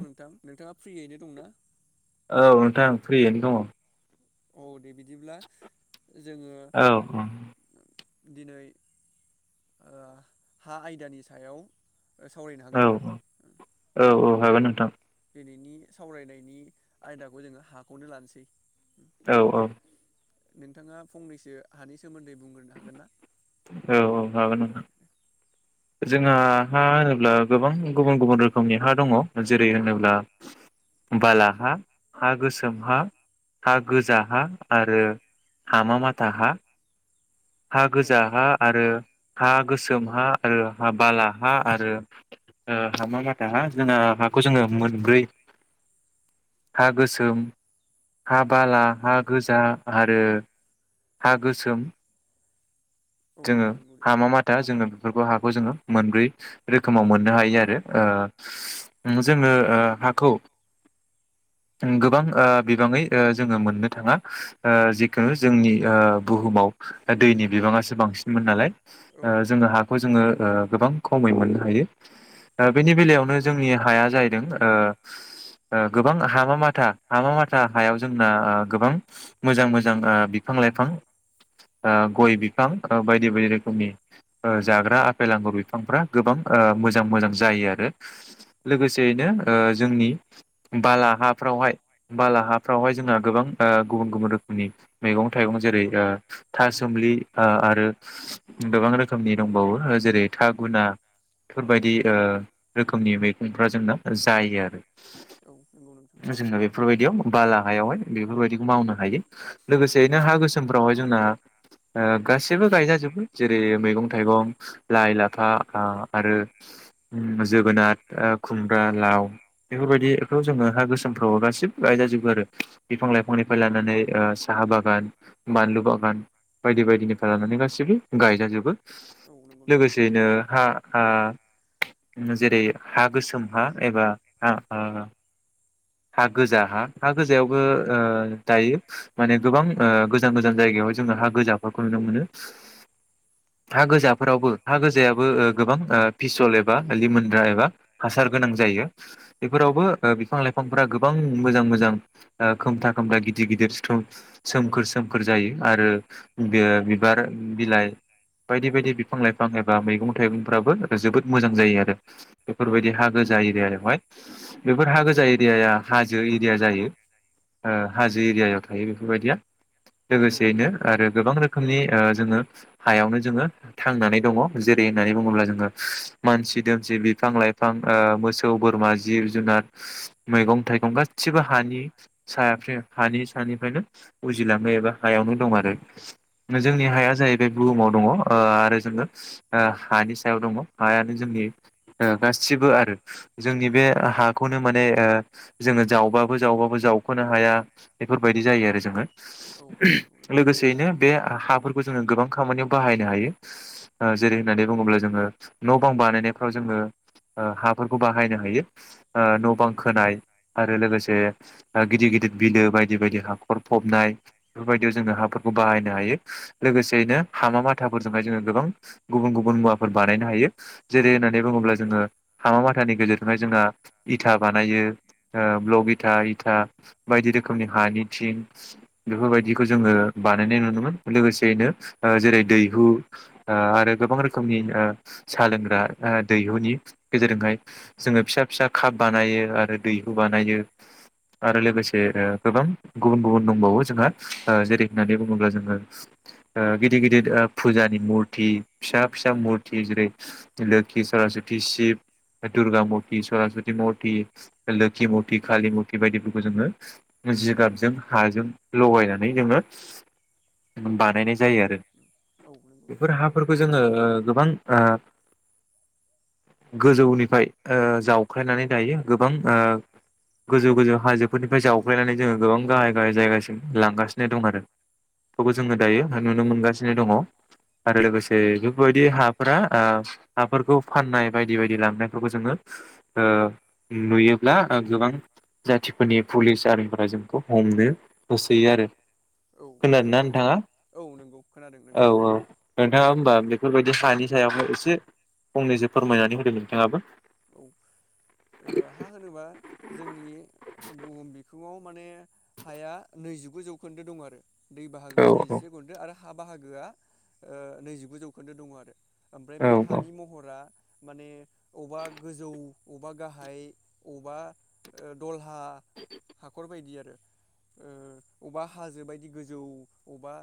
औ नोंथां। नोंथाङा फ्रियैनो दंना? औ नोंथां फ्रियैनो दङ। औ दे -दे बिदिब्ला जोङो दिनै ओ हा आयदानि सायाव सावरायनो औ हागोन ना औ औ औ। हागोन नोंथां। दिनैनि सावरायनायनि आयदाखौ जोङो हाखौनो लानोसै। औ औ। नोंथाङा फंनैसो हानि सोमोन्दै बुंग्रोनो हागोन ना औ औ हागोन ओं। जोंहा हा होनोब्ला गोबां गुबुन गुबुन रोखोमनि हा दङ जेरै होनोब्ला बाला हा, हा गोसोम हा, हा गोजा हा, आरो हामा, माथा हा। हा औ गोजा हा आरो हा गोसोम हा आरो हा बाला हा आरो हामा [unintelligible] [unintelligible] जोङो मोनब्रै हा गोसोम हा बाला हा गोजा आरो हा गोसोम औ जोङो नंगौ दे हामा नोंथां माथा जोङो बेफोरखौ हाखौ जोङो मोनब्रै रोखोमाव मोननो हायो आरो जोङो हाखौ गोबां ओ बिबाङै ओ जोङो मोननो थाङा ओ जिखो जोंनि ओ बुहुमाव दैनि बिबाङासो बांसिनमोन नालाय औ ओ जोङो नंगौ हाखौ जोङो ओ गोबां खमै मोननो हायो औ ओ बेनि बेलायावनो जोंनि हाया जाहैदों ओ ओ गोबां हा हामा माथा हामा माथा हायाव जोंना ओ गोबां मोजां मोजां ओ बिफां-लाइफां ओ गय बिफां ओ बायदि बायदि रोखोमनि ओ जाग्रा आफेल आंगुर बिफांफ्रा गोबां ओ मोजां मोजां जायो आरो लोगोसेनो ओ जोंनि बाला फ्रावहाय बाला हाफ्रावहाय जोंहा गोबां ओ गुबुन गुबुन रोखोमनि मैगं-थाइगं जेरै ओ थासोमलि ओ आरो गोबां रोखोमनि दंबावो। जेरै था गुना औ फोरबायदि ओ नंगौ नोंथां रोखोमनि मैगंफ्रा जोंनाव जायो आरो औ नंगौ नोंथां दा बेफोरबायदियाव बाला हायावहाय बेफोरबायदिखौ मावनो हायो लोगोसेयैनो हा गोसोमफ्रावहाय जोंना गासैबो गायजाजोबो जेरै मैगं-थाइगं लाइ लाफा आरो जोगोनार खुमब्रा लाव बेफोरबायदिखौ जोङो हा गोसोम फ्राव गासिबो गायजा जोब बो आरो औ बिफां-लाइफांनिफ्राय लानानै ओ साहा बागान बानलु बागान बायदि बायदिनिफ्राय लानानै गासिबो गायजाजोबो औ नंगौ नोंथां लोगोसेयैनो हा ओ हा जेरै हा गोसोम हा एबा हा आ हा गोजा हा हा गोजायावबो गायो माने गोबां गोजान गोजान जायगायावहाय जोङो हा गोजाफोरखौ नुनो मोनो। हा गोजाफोरावबो हा गोजायाबो गोबां फिसल एबा लिमोनद्रा एबा हासार गोनां जायो बेफोरावबो बिफां-लाइफां फांफ्रा गोबां मोजां मोजां ओ खोमथा खोमथा गिदिर गिदिर सिथ्रं सोमखोर सोमखोर जायो आरो बे बिबार बिलाइ बायदि बायदि बिफां-लाइफां एबा मैगं थाइगंफ्राबो जोबोद मोजां जायो आरो बेफोरबायदि औ हा गोजा नंगौ एरियायावहाय नोंथां बेफोर हा गोजा याया हाजो एरिया जायो हाजो एरियायाव थायो बेफोरबायदिया औ लोगोसेयैनो नंगौ आरो नोंथां गोबां रोखोमनि ओ जोङो हायावनो जोङो थांनानै दङ जेरै होननानै बुङोब्ला जोङो मानसि दोमसि बिफां-लाइफां ओ मोसौ, बोरमा जिब-जुनार मैगं-थाइगं गासिबो हानि सा फ्रे हानि सानिफ्रायनो उजिलाङो एबा हायावनो दं आरो औ जोंनि हाया जाहैबाय बुहुमाव दङ आरो जोङो हानि सायाव दङ हायानो जोंनि ओ गासिबो आरो जोंनि बे हाखौनो माने जोङो जावबाबो जावबाबो जावखोनो हाया बेफोरबायदि जायो आरो जोङो औ नंगौ नोंथां लोगोसेयैनो बे हाफोरखौ जोङो गोबां खामानियाव बाहायनो हायो ओ जेरै होननानै बुङोब्ला जोङो न बां बानायनायफ्राव जोङो ओ हाफोरखौ बाहायनो हायो ओ न' बां खोनाय आरो लोगोसे गिदिर गिदिर बिलो बायदि बायदि हाखर फबनाय बेफोरबायदियाव औ जोङो हाफोरखौ बाहायनो हायो लोगोसेयैनो हामा माथाफोरजोंहाय जोङो गोबां गुबुन गुबुन मुवाफोर बानायनो हायो। जेरै नै बुङोब्ला जोङो हामा माथानि गेजेरजोंहाय जोंहा इथा बानायो ओ ब्लग इथा इथा बायदि रोखोमनि हानि थिं औ बेफोरबायदिखौ जोङो नंगौ नोंथां बानायनाय नुनो मोनो लोगोसेयैनो ओ जेरै दैहु ओ आरो गोबां रोखोमनि ओ साहा लोंग्रा ओ दैहुनि गेजेरजोंहाय जोङो फिसा फिसा काप बानायो आरो दैहु बानायो आरो लोगोसे औ ओ गोबां गुबुन गुबुन दंबावो जोंहा ओ जेरै होननानै बुङोब्ला जोङो ओ गिदिर गिदिर ओ फुजानि मुरथि फिसा बिसारासथि सिब फ्राय दुरगा मुरथि सरस्वति मुर्ति लोखि मुरथि कालि मुरथि बायदिफोरखौ जोङो जिगाबजों हाजों लगायनानै जोङो बानायनाय जायो आरो बानायो औ नंगौ बेफोर नोंथां हाफोरखौ जोङो गोबां ओ गोजौनिफाय ओ जावखायनानै दायो गो बां ओ गोजौ-गोजौ हाजोफोरनिफ्राय जावग्लायनानै जोङो गोबां गाहाय-गाहाय जायगासिम लांगासिनो दं आरो बेफोरखौ जोङो दायो नुनो मोनगासिनो दङ। आरो लोगोसे बेफोरबायदि हाफोरा ओ हाफोरखौ फाननाय बायदि बायदि लांनायफोरखौ जोङो ओ नुयोब्ला ओ गोबां जाथिफोरनि पुलिस आर्मिफोरा जोंखौ हमनो होसोयो आरो औ खानादों नंगौ ना नोंथां नोंथाङा औ नंगौ खोनादों नोंथां औ-औ नोंथां नोथाङा होमबा बेफोरबायदि हानि सायावनो एसे फंनैसो फोरमायनानै होदो नोंथाङाबो औ ओ हा होनोबा जोंनि बुहुम बिख थिङाव माने हाया नैजिगु जौखोन्दो दं आरो दै औ बाहागोआ औ औ स्निजिसे जौखोन्दो आरो हाब बाहागोआ नैजिगु जौखोन्दो दङ आरो। ओमफ्राय बे हानि महरा माने अबा गोजौ अबा गाहाय अबा दलहा हाखर बायदि आरो अबा हाजो बायदि गोजौ अबा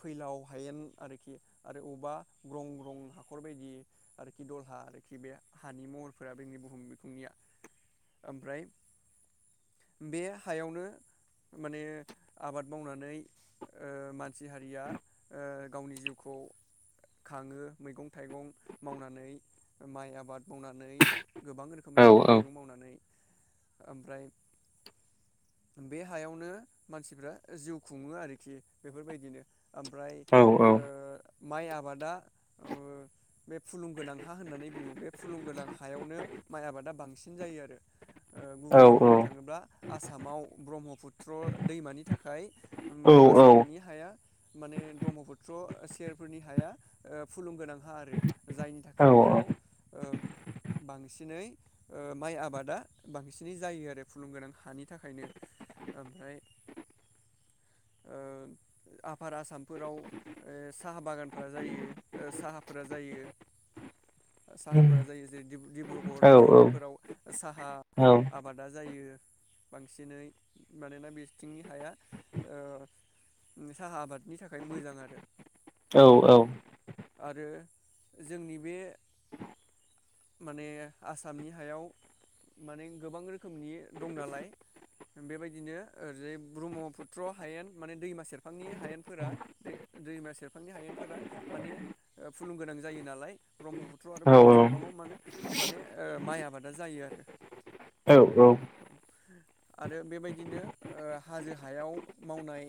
फैलाव हायेन आरोखि आरो अबा ग्रं-ग्रं हाखर बायदि आरोखि दलहा आरोखि बे हानि महर फोर बैनि बुहुम बिखुंनिया ओमफ्राय बे हायावनो माने आबाद मावनानै ओ मानसि हारिया ओ गावनि जिउखौ खाङो मैगं थाइगं मावनानै माइ आबाद मावनानै। गोबां औ रोखोमनि मैगं थाइगं मावनानै ओमफ्राय बे हायावनो मानसिफ्रा जिउ खुङो आरोखि बेफोरबायदिनो। ओमफ्राय औ ओ माइ आबादा ओ बे फुलुंगोनां हा होननानै बुङो बे फुलुंगोनां हायावनो माइ आबादा बांसिन जायो आरो। ओ औ गुबैयै बुंनो थाङोब्ला आसामाव ब्रह्मपुत्र दैमानि थाखाय उम औ औ आसामनि हाया माने ब्रह्मपुत्र सेरफोरनि हाया फुलुमगोनांहा आरो। जायनि थाखाय बेयाव ओ बांसिनै ओ माइ आबादा बांसिनै जायो आरो फुलुंगोनां हानि थाखायनो ओमफ्राय ओ आफार आसामफोराव ओ साहा बागानफोरा जायो ओ साहाफोरा जायो साहाफोरा जायो। [unintelligible] डिब्रुगर जरहातफोराव साहा आबादा जायो बांसिनै मानोना बिथिंनि हाया ओ साहा आबादनि थाखाय मोजां आरो आरो जोंनि बे माने आसामनि हायाव माने गोबां रोखोमनि दं नालाय बेबायदिनो ओरजै ब्रह्मपुत्र हायेन माने दैमा सेरफांनि हायेनफोरा दैमा सेरफांनि हायेनफोरा माने फुलुंगोनां जायो नालाय ब्रह्मपुत्र आरो बरग' सेर बिफाङाव मानो माने माइ आबादा जायो आरो औ आरो बेबायदिनो हाजो हायाव मावनाय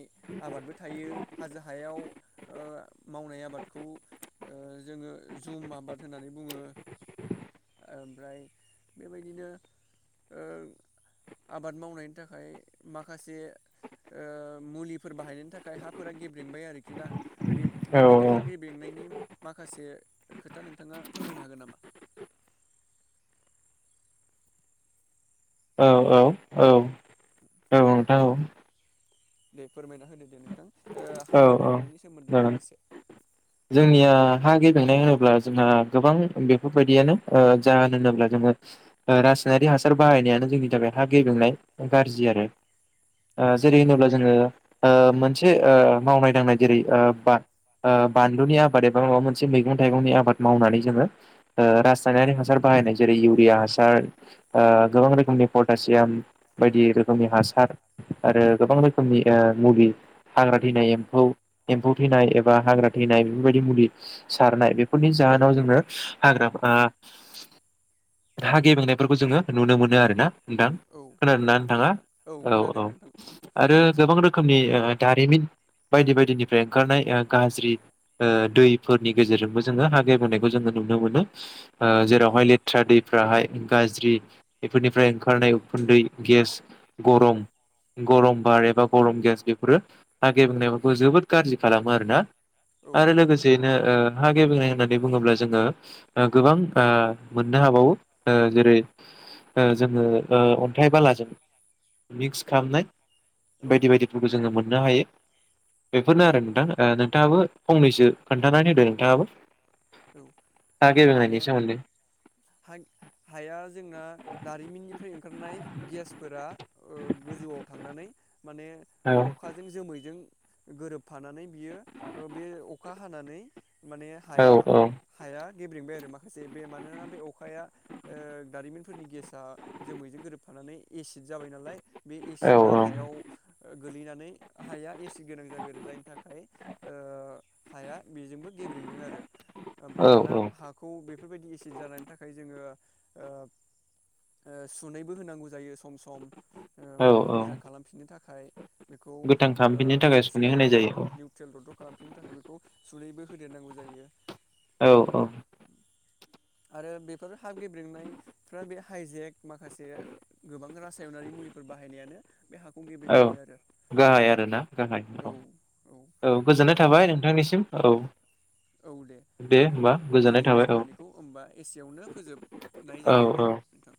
आबादबो थायो हाजो हायाव ओ मावनाय आबादखौ ओ जोङो जुम आबाद होननानै बुङो। ओमफ्राय बेबायदिनो ओ आबाद मावनायनि थाखाय माखासे ओ मुलिफोर बाहायनायनि थाखाय हाफोरा गेब्रेंबाय आरोखि ना बे बेबायदि हा गेबेंनायनि माखासे खोथा नोंथाङा फोरमायनो हागोन नामा। औ औ औ औ नोंथां औ दे फोरमायना होदो दे नोंथां ओ औ हा औ गेब्रेंनायनि सोमोन्दै जागोन माखासे। जोंनिया हा गेबेंनाय होनोब्ला जोंहा गोबां बेफोरबायदियानो ओ जाहोन होनोब्ला जोङो रासायनारि हासार बाहायनायानो जोंनि थाखाय हा गेबेंनाय गाज्रि आरो। ओ औ जेरै होनोब्ला जोङो ओ मोनो मोनसे ओ मावनाय दांनाय जेरै ओ बा ओ बानलुनि आबाद एबा माबा मोनसे मैगं थाइंनि आबाद मावनानै रस रसयनारि हासार बाहायनाय जेरै इउरिया हासार ओ गोबां रोखोमनि पटासियाम बायदि औ रोखोमनि हासार आरो गोबां रोखोमनि ओ मुलि। हाग्रा थैनाय एम्फौ-एम्फौ थैनाय एबा नाय बेफोरबायदि मुलि सारनाय बेफोरनि जाहोनाव जोंनो हाग्रा हागेबांनायफोरखौ जोंङो नुनो मोनो आरोोना नोंथां औ खोना औ नंगौ नोंथाङा नोंथां औ खोनादों औ नोंथां आरो गोबां रोखोमनि दारिमिन बायदि बायदिनिफ्राय ओंखारनाय गाज्रि दैफोरनि गेजेरजोंबो जोङो हागायबोनायखौ जोङो नुनो ओ मोनो औ जेरावहाय लेथ्रा दैफ्राहाय गाज्रि बेफोरनिफ्राय ओंखारनाय उखुन्दै गेस गरम गरम बार एबा गरम गेस बेफोरो आागे औ बुंनाय जबोर गाज्रि खालामा आरो ना आरो औ लोगोसेयैनो हा गेबेनाय होननानै बुङोब्ला जोंङो गोबां मोननो हाबावो जेरै जोङो अन्थाइ बालासि मिक्स खालामनाय बायदि बायदिफोरखौ जोङो मोन मोननो हायो बेफोरनो औ आरो नोंथां नोंथाङाबो फंनैसो खोन्थानानै होदो नोंथाङाबो हा औ माने गेबेंनायनि सोमोन्दै हाया जोंना दारिमिननिफ्राय ओंखारनाय गेसफोरा गोजौआव थांनानै माने औ अखाजों जोमैजों गोरोबफानानै बियो बे अखा हानानै माने औ हायाव हाय गेब्रेेंबाय आरो माखासे बे मानोना बे अखाया दारिमिनफोरनि गेसा जोमैजों गोरोबफानानै एसिद जाबाय नालाय बे औ एसिडा हायाव गोलैनानै हाया एसे गोनां जाबाय आरो जायनि थाखाय ओ हाया बेजोंबो गेब्रेेंदों आरो ओमफ्राय औ दाना औ हाखौ बे बेफोरबायदि एसिड जानायनि थाखाय जोंङो सुनायबो होनांगौ जायो सम सम औ औ मोजां खालामफिननो थाखाय फाय बेखौ गोथां ओ खालामफिननो थाखाय सुनै निउट्रेल होनाय जायो निउट्रेल दद्द' खालामफिननो थाखाय बेखौ सुनैबो होदेरनांगौ जायो औ जोंओ आरो बेफोर हाब गेब्रेनायफ्रा बे हाइजेक माखासे गोबां रासायनारि मुलिफोर बाहायनायानो बे हाखौ औ गेबेेंहोबाय आरो गाहाय आरोना गाहाय औ औ गोजोननाय थाबाय नोंथांनिसिम औ औ औ दे होमबा नोंथां गोजोननाय दिनैनि थाबाय औ सावरायनायखौ होनबा एसेवनो फोजोबनाय औ जाबायनाा औ नोंथां